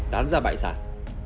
tán ra bại sản